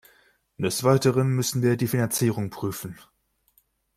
Des Weiteren müssen wir die Finanzierung prüfen.